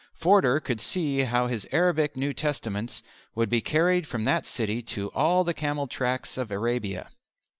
Forder could see how his Arabic New Testaments would be carried from that city to all the camel tracks of Arabia.